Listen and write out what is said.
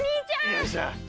よいしょ。